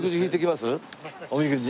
おみくじ。